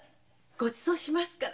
ごちそうしますから。